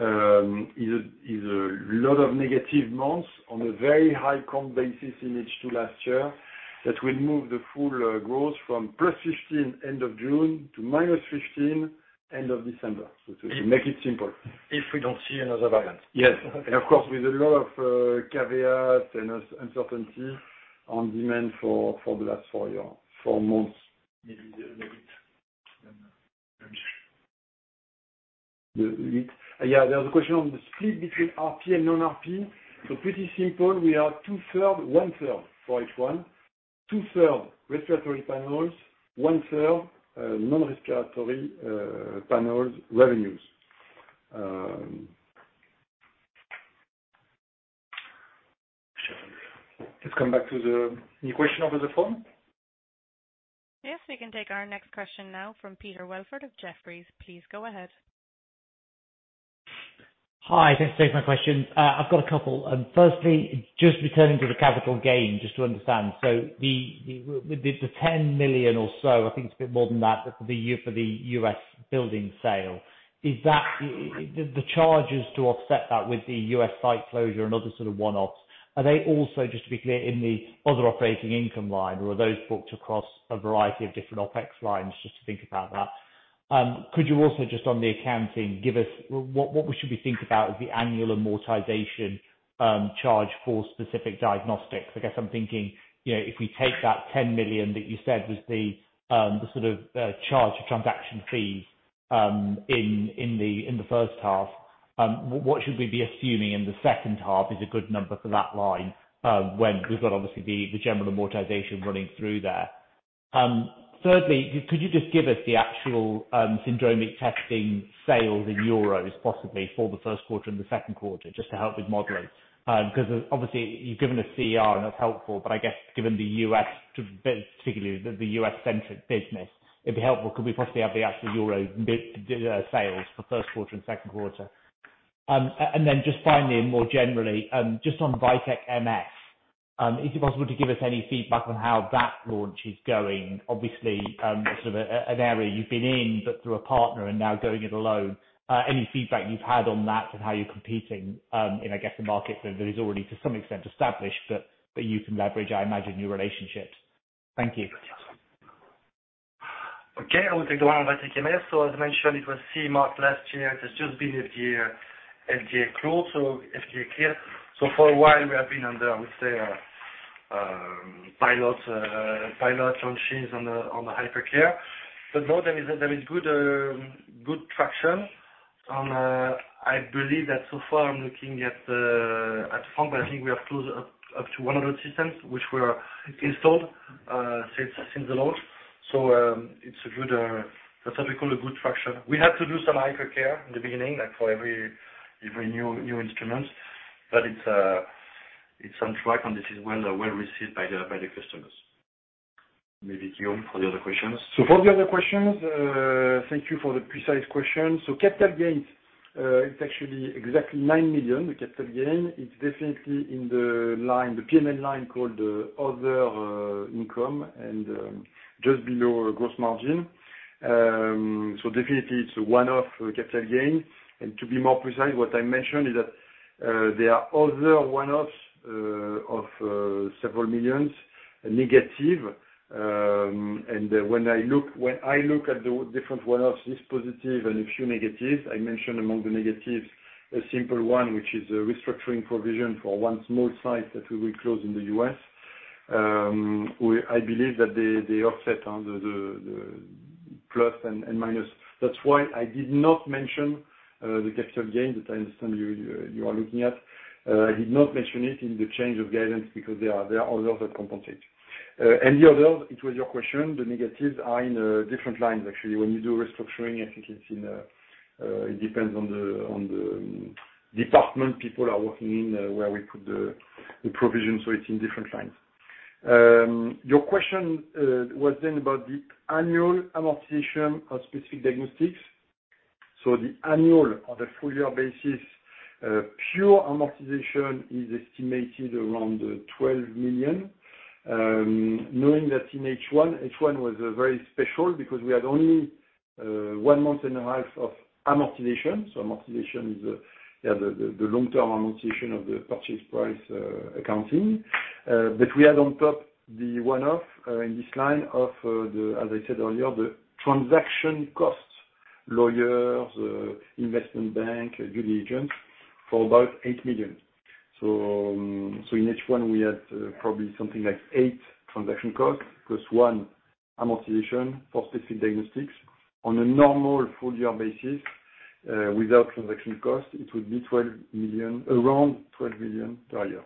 or is a lot of negative months on a very high comp basis in H2 last year, that will move the full growth from +15% end of June to -15% end of December. To make it simple. If we don't see another variant. Yes. Of course, with a lot of caveats and uncertainty on demand for the last four months. Maybe. Yeah, there's a question on the split between RP and non-RP. Pretty simple. We are 2/3, 1/3 for H1. 2/3 respiratory panels, 1/3 non-respiratory panels revenues. Let's come back to the new question over the phone. Yes, we can take our next question now from Peter Welford of Jefferies. Please go ahead. Hi, thanks for taking my question. I've got a couple. Firstly, just returning to the capital gain, just to understand. The 10 million or so, I think it's a bit more than that for the year for the U.S. building sale, is that the charges to offset that with the U.S. site closure and other sort of one-offs, are they also, just to be clear, in the other operating income line, or are those booked across a variety of different OpEx lines, just to think about that. Could you also just on the accounting give us what we should be thinking about is the annual amortization charge for Specific Diagnostics? I guess I'm thinking, you know, if we take that 10 million that you said was the sort of charge for transaction fees in the first half, what should we be assuming in the second half is a good number for that line when we've got obviously the general amortization running through there. Thirdly, could you just give us the actual syndromic testing sales in euros, possibly for the first quarter and the second quarter, just to help with modeling? Because obviously you've given a CER and that's helpful, but I guess given the U.S., too, particularly the U.S.-centric business, it'd be helpful, could we possibly have the actual euro sales for first quarter and second quarter. Just finally and more generally, just on VITEK MS, is it possible to give us any feedback on how that launch is going? Obviously, sort of an area you've been in but through a partner and now going it alone. Any feedback you've had on that and how you're competing, in I guess the market that is already to some extent established, but that you can leverage, I imagine, new relationships. Thank you. Okay, I will take the one on VITEK MS. As mentioned, it was CE-marked last year. It has just been FDA cleared. For a while we have been under, I would say, pilot launches on the Hypercare. But no, there is good traction on. I believe that so far I'm looking at. *inaudible* We have closed up to 100 systems, which were installed since the launch. So it's good, that what we call a good function. We had to do some Hypercare in the beginning for every new instruments. But it's on track, and this is when well received by the customers. Maybe Guillaume, for the other questions. For the other questions, thank you for the precise question. Capital gains, it's actually exactly 9 million, the capital gain. It's definitely in the line, the P&L line called other income and just below gross margin. Definitely it's a one-off capital gain. To be more precise, what I mentioned is that there are other one-offs of several million EUR negative. When I look at the different one-offs, it's positive and a few negatives. I mentioned among the negatives a simple one, which is a restructuring provision for one small site that we will close in the U.S. I believe that they offset on the plus and minus. That's why I did not mention the capital gain that I understand you are looking at. I did not mention it in the change of guidance because there are others that compensate. The others, it was your question, the negatives are in different lines actually. When you do restructuring, I think it depends on the department people are working in where we put the provision, so it's in different lines. Your question was then about the annual amortization of Specific Diagnostics. The annual on a full year basis pure amortization is estimated around 12 million. Knowing that in H1 was very special because we had only one month and a half of amortization. Amortization is the long-term amortization of the purchase price accounting. We had on top the one-off, in this line of, as I said earlier, the transaction costs, lawyers, investment bank, due diligence for about 8 million. So in H1, we had probably something like 8 million transaction costs, plus 1 million amortization for Specific Diagnostics. On a normal full year basis, without transaction costs, it would be 12 million, around 12 million per year.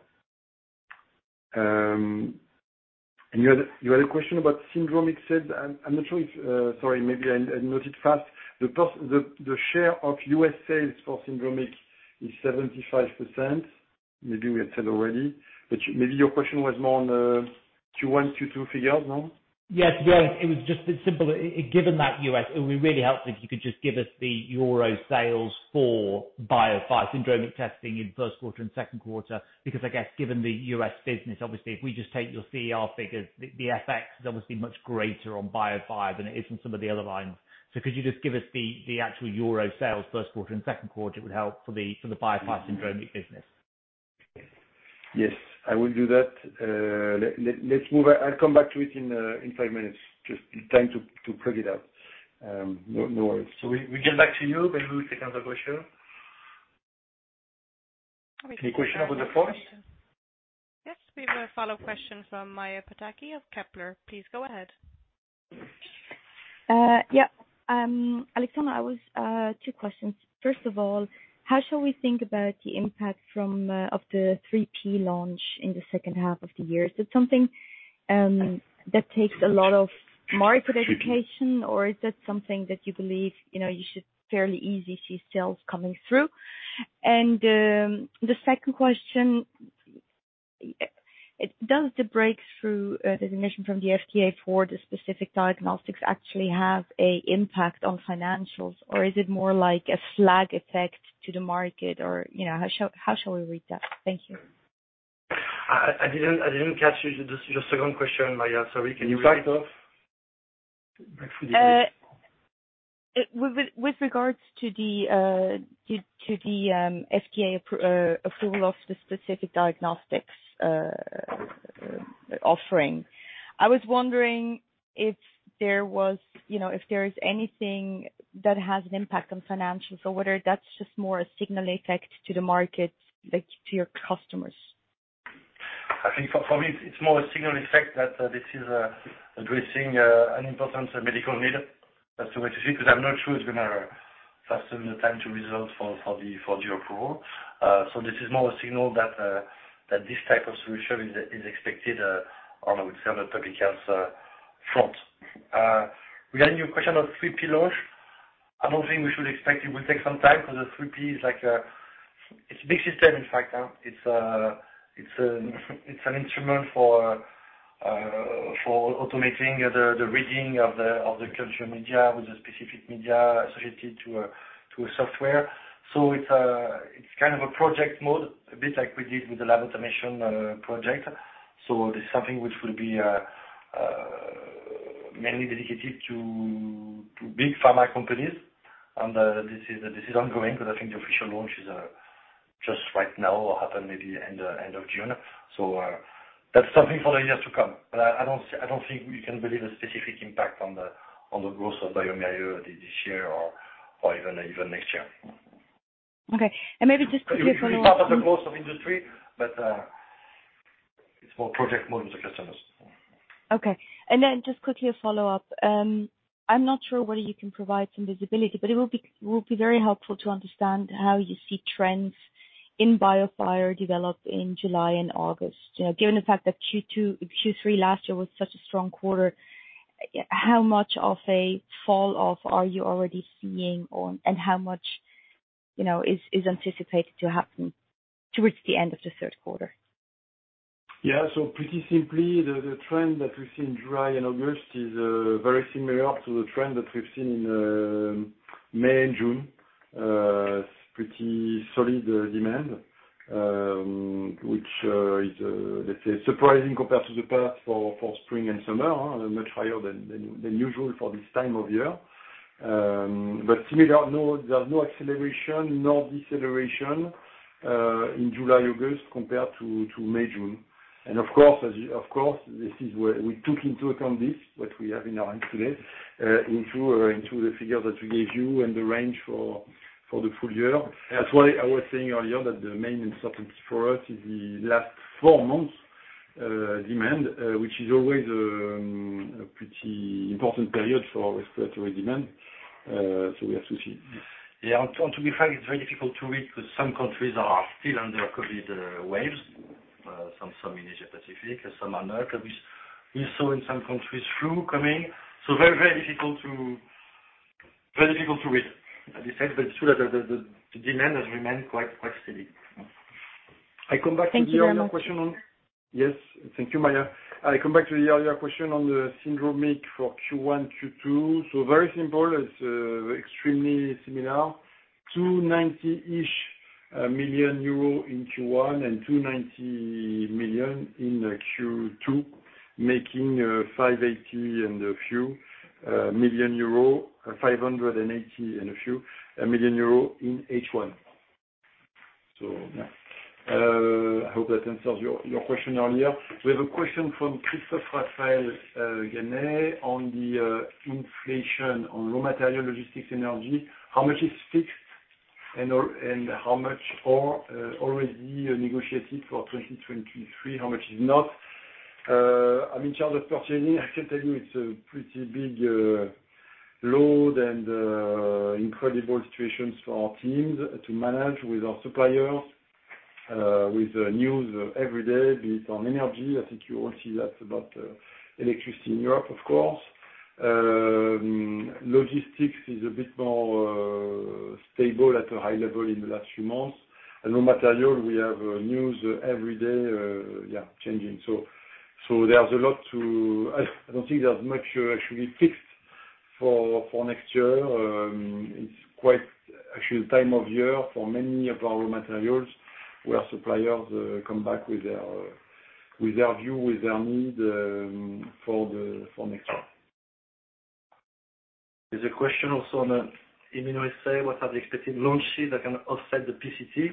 You had a question about syndromic. I'm not sure if, sorry, maybe I noted fast. The share of U.S. sales for syndromic is 75%. Maybe we had said already. Maybe your question was more on the Q1, Q2 figure, no? Yes. Yeah. It was just simple. Given that U.S., it would be really helpful if you could just give us the euro sales for BioFire syndromic testing in first quarter and second quarter, because I guess given the U.S. business, obviously, if we just take your CR figures, the FX is obviously much greater on BioFire than it is on some of the other lines. Could you just give us the actual euro sales first quarter and second quarter, it would help for the BioFire syndromic business. Yes, I will do that. Let's move. I'll come back to it in five minutes. Just time to plug it out. No worries. We get back to you, then we take another question. Any question over the forecast? Yes, we have a follow-up question from Maja Pataki of Kepler. Please go ahead. Alexandre, I have two questions. First of all, how shall we think about the impact from of the 3P launch in the second half of the year? Is it something that takes a lot of market education, or is that something that you believe, you know, you should fairly easy see sales coming through? The second question, does the breakthrough designation from the FDA for Specific Diagnostics actually have an impact on financials, or is it more like a flag effect to the market? Or, you know, how shall we read that? Thank you. I didn't catch your second question, Maja. Sorry. Can you repeat? *inaudible* With regards to the FDA approval of the Specific Diagnostics offering, I was wondering if there was, you know, if there is anything that has an impact on financials or whether that's just more a signal effect to the market, like to your customers. I think for me, it's more a signal effect that this is addressing an important medical need as to what you see, because I'm not sure it's gonna fasten the time to resolve for the approval. This is more a signal that this type of solution is expected on a public health front. We had a new question on 3P launch. I don't think we should expect it will take some time because the 3P is like a big system, in fact. It's an instrument for automating the reading of the culture media with a specific media associated to a software. It's kind of a project mode, a bit like we did with the lab automation project. This is something which will be mainly dedicated to big pharma companies. This is ongoing, but I think the official launch is just right now or happen maybe end of June. That's something for the years to come. I don't think we can believe a specific impact on the growth of bioMérieux this year or even next year. Okay. Maybe just It's part of the growth of industry, but it's more project mode with the customers. Okay. Just quickly a follow-up. I'm not sure whether you can provide some visibility, but it will be very helpful to understand how you see trends in BioFire develop in July and August. You know, given the fact that Q2-Q3 last year was such a strong quarter, how much of a fall off are you already seeing, and how much, you know, is anticipated to happen towards the end of the third quarter? Yeah. Pretty simply, the trend that we've seen July and August is very similar to the trend that we've seen in May and June. Pretty solid demand, which is, let's say, surprising compared to the past for spring and summer. Much higher than usual for this time of year. But similar. There's no acceleration nor deceleration in July, August, compared to May, June. Of course, this is where we took into account what we have in our hands today into the figures that we gave you and the range for the full year. That's why I was saying earlier that the main uncertainty for us is the last four months demand, which is always a pretty important period for respiratory demand. We have to see this. Yeah. To be fair, it's very difficult to read because some countries are still under COVID waves. Some in Asia-Pacific and some are not. At least we saw in some countries flu coming. Very, very difficult. Very difficult to read at this time, but it's true that the demand has remained quite steady. Thank you very much. Yes. Thank you, Maja. I come back to the earlier question on the syndromic for Q1, Q2. Very simple. It's extremely similar. 290 million euro-ish in Q1 and 290 million in Q2, making 580 million and a few. 580 million and a few in H1. Yeah. I hope that answers your question earlier. We have a question from Christopher Files on the inflation on raw material, logistics, energy. How much is fixed and all, and how much already negotiated for 2023? How much is not? I'm in charge of purchasing. I can tell you it's a pretty big load and incredible situations for our teams to manage with our suppliers with news every day based on energy. I think you all see that about electricity in Europe, of course. Logistics is a bit more stable at a high level in the last few months. Raw material, we have news every day, changing. I don't think there's much actually fixed for next year. It's quite actually the time of year for many of our raw materials, where suppliers come back with their view, with their need, for next year. There's a question also on the immunoassay. What are the expected launch dates that can offset the PCT?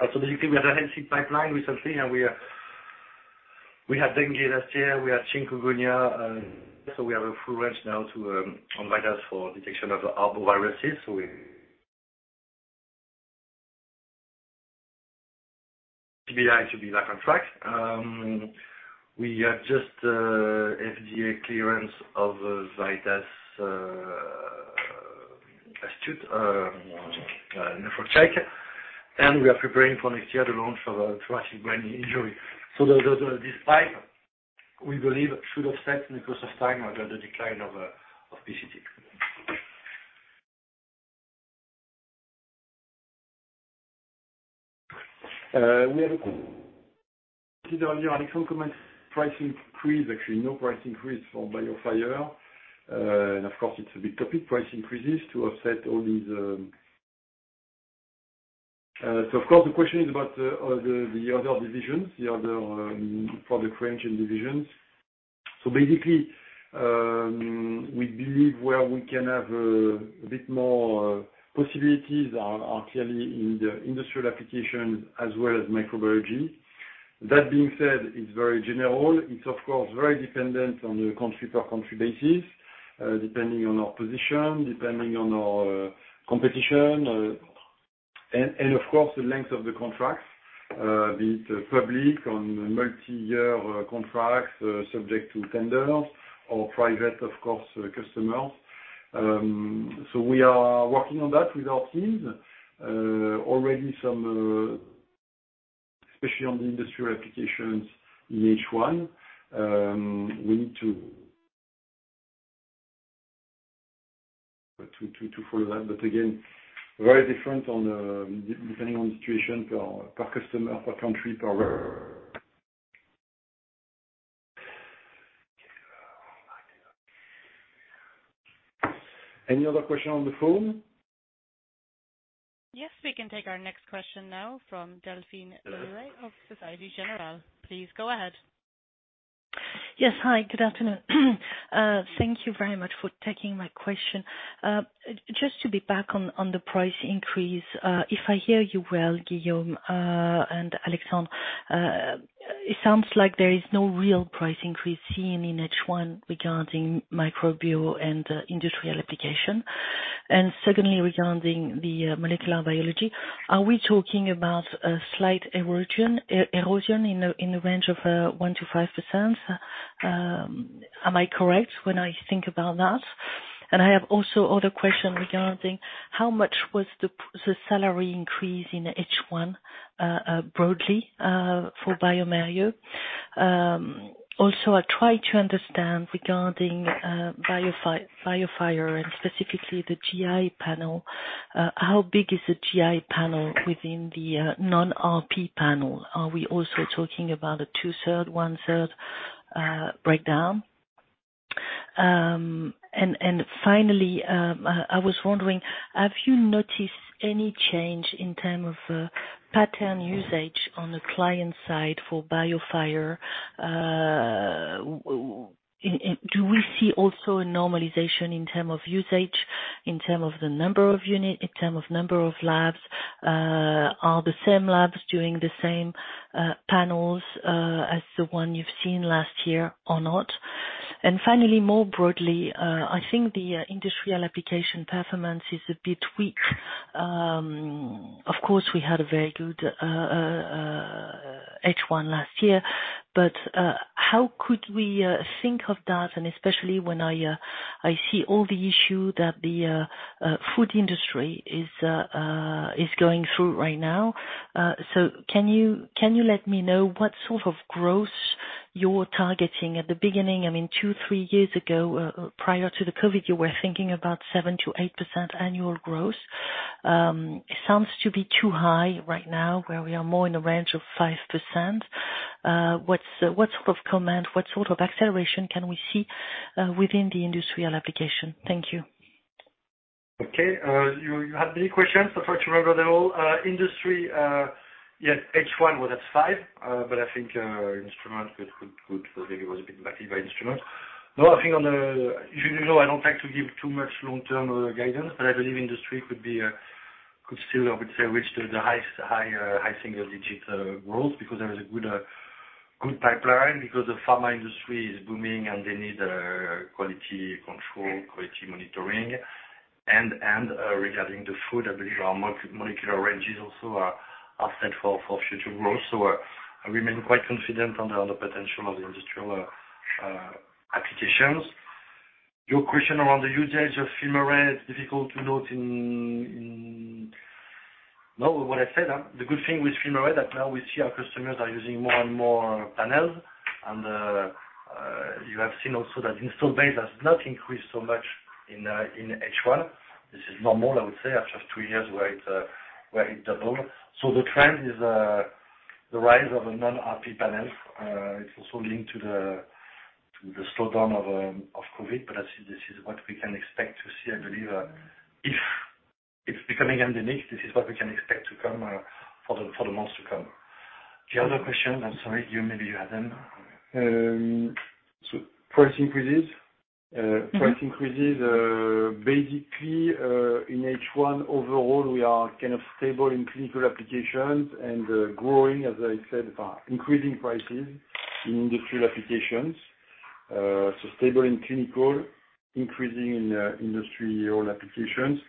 Basically, we have a healthy pipeline recently. We had dengue last year. We had chikungunya, and so we have a full range now of VIDAS for detection of arboviruses. TBI to be back on track. We have just FDA clearance of VIDAS TBI. We are preparing for next year the launch of a traumatic brain injury. This pipeline, we believe should offset in the course of time the decline of PCT. Earlier, Alexandre comments pricing increase. Actually, no price increase for BioFire. Of course, it's a big topic, price increases to offset all these. Of course, the question is about the other divisions, the other product range and divisions. Basically, we believe where we can have a bit more possibilities are clearly in the industrial application as well as microbiology. That being said, it's very general. It's of course very dependent on a country per country basis, depending on our position, depending on our competition. Of course, the length of the contracts, be it public or multi-year contracts subject to tenders or private customers. We are working on that with our teams. Already some, especially on the industrial applications in H1, we need to follow that. Again, very different depending on the situation per customer, per country. Any other question on the phone? Yes, we can take our next question now from Delphine Le Louët of Société Générale. Please go ahead. Yes. Hi, good afternoon. Thank you very much for taking my question. Just to get back on the price increase. If I hear you well, Guillaume, and Alexandre, it sounds like there is no real price increase seen in H1 regarding microbial and industrial application. Secondly, regarding the molecular biology, are we talking about a slight erosion in a range of 1%-5%? Am I correct when I think about that? I have also other question regarding how much was the salary increase in H1 broadly for bioMérieux. Also I try to understand regarding BioFire and specifically the GI panel, how big is the GI panel within the non-RP panel? Are we also talking about a two-thirds, one-third breakdown? Finally, I was wondering, have you noticed any change in terms of panel usage on the client side for BioFire? Do we see also a normalization in terms of usage, in terms of the number of units, in terms of number of labs? Are the same labs doing the same panels as the ones you've seen last year or not? Finally, more broadly, I think the industrial application performance is a bit weak. Of course, we had a very good H1 last year, but how could we think of that, and especially when I see all the issues that the food industry is going through right now. Can you let me know what sort of growth you're targeting at the beginning? I mean, two, three years ago, prior to the COVID, you were thinking about 7%-8% annual growth. It sounds to be too high right now, where we are more in the range of 5%. What sort of comment, what sort of acceleration can we see within the industrial application? Thank you. Okay. You had many questions. I'll try to remember them all. Industry, yes, H1, well, that's 5. But I think instruments could probably was a bit backed by instruments. The other thing, you know I don't like to give too much long-term guidance, but I believe industry could be, could still, I would say, reach the high single-digit growth. Because there is a good pipeline, because the pharma industry is booming, and they need quality control, quality monitoring. Regarding the food, I believe our molecular ranges also are set for future growth. So I remain quite confident on the potential of the industrial applications. Your question around the usage of FilmArray, it's difficult to note. No, what I said. The good thing with FilmArray, that now we see our customers are using more and more panels. You have seen also that installed base has not increased so much in H1. This is normal, I would say, after two years where it doubled. The trend is the rise of the non-RP panels. It's also linked to the slowdown of COVID. I think this is what we can expect to see, I believe, if it's becoming endemic. This is what we can expect to come for the months to come. The other question, I'm sorry. You may have had them. Price increases, basically, in H1 overall, we are kind of stable in clinical applications and growing, as I said, increasing prices in industrial applications. Stable in clinical, increasing in industrial applications,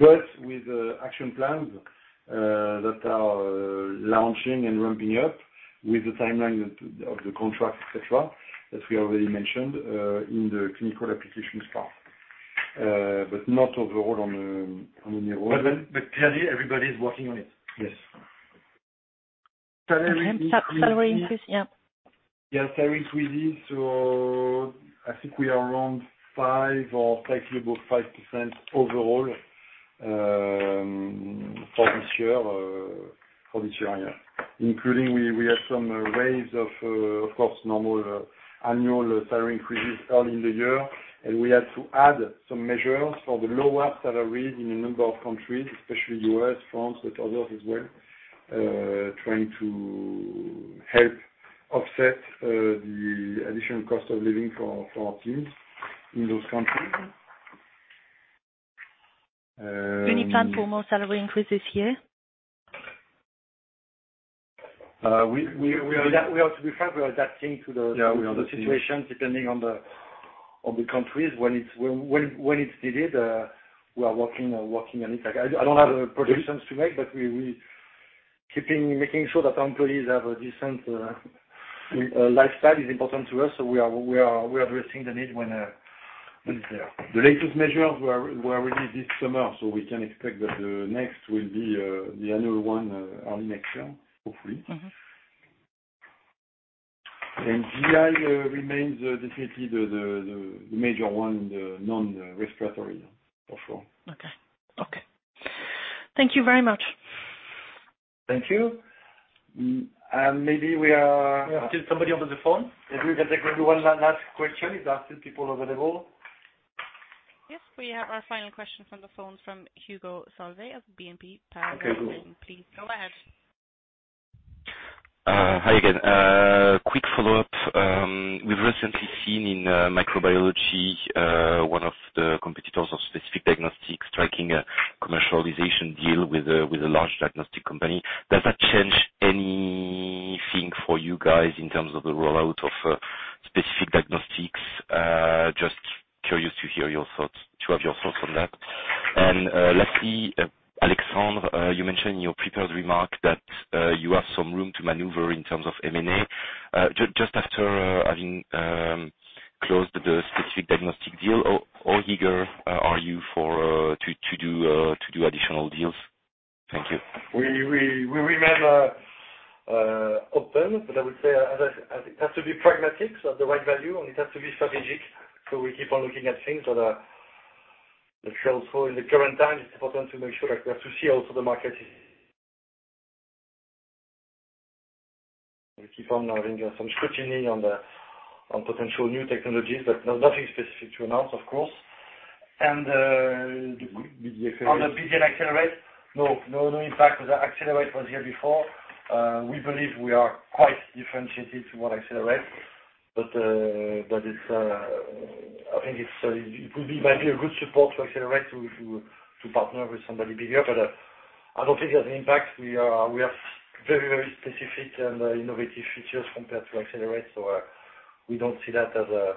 but with action plans that are launching and ramping up with the timeline of the contract, et cetera, as we already mentioned, in the clinical application part. But not overall on the whole. Clearly, everybody's working on it. Yes. Salary increase, yeah. Salary increases. I think we are around 5 or flexible 5% overall for this year. Including we have some raises, of course, normal annual salary increases early in the year. We had to add some measures for lower salaries in a number of countries, especially U.S., France, but others as well, trying to help offset the additional cost of living for our teams in those countries. Any plan for more salary increase this year? We are- To be fair, we are adapting to the. Yeah, we are adapting. The situation, depending on the countries. When it's needed, we are working on it. I don't have projections to make, but we are keeping making sure that our employees have a decent lifestyle is important to us. We are addressing the need when it's there. The latest measures were released this summer, so we can expect that the next will be the annual one early next year, hopefully. Mm-hmm. GI remains definitely the major one in the non-respiratory for sure. Okay. Thank you very much. Thank you. Still somebody over the phone. Maybe we can take one last question if there are still people available. Yes, we have our final question from the phone from Hugo Solvet of BNP Paribas Exane. Okay, Hugo. Please go ahead. Hi again. Quick follow-up. We've recently seen in microbiology one of the competitors of Specific Diagnostics striking a commercialization deal with a large diagnostic company. Does that change anything for you guys in terms of the rollout of Specific Diagnostics? Just curious to hear your thoughts on that. Lastly, Alexandre, you mentioned in your prepared remarks that you have some room to maneuver in terms of M&A. Just after having closed the Specific Diagnostics deal, how eager are you to do additional deals? Thank you. We remain open, but I would say it has to be pragmatic, so at the right value, and it has to be strategic. We keep on looking at things that are actually also in the current time. It's important to make sure that we have to see also the market is. We keep on having some scrutiny on potential new technologies, but nothing specific to announce, of course. On the Accelerate Diagnostics, no impact. Accelerate was here before. We believe we are quite differentiated to what Accelerate, but it's a good support to Accelerate to partner with somebody bigger, but I don't think there's an impact. We are very specific in the innovative features compared to Accelerate. We don't see that as a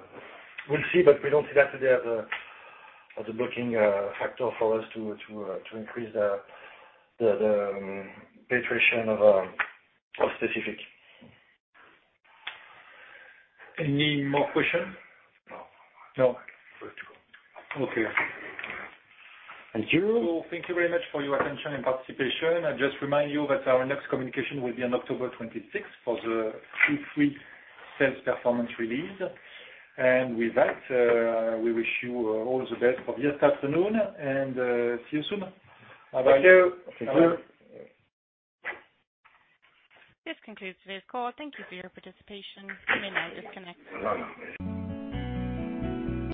blocking factor for us to increase the penetration of Specific. Any more question? No. No. Okay. Thank you. Thank you very much for your attention and participation. I just remind you that our next communication will be on October 26th for the Q3 sales performance release. With that, we wish you all the best for the rest of the afternoon and see you soon. Bye-bye. Thank you. This concludes today's call. Thank you for your participation. You may now disconnect.